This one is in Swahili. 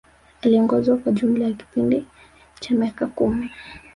Aliongoza kwa jumla ya kipindi cha miaka kumi